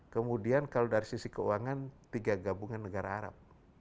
kemudian kalau dari sisi keuangan tiga gabungan negara arab